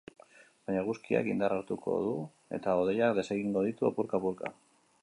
Baina eguzkiak indarra hartuko du, eta hodeiak desegingo ditu apurka-apurka.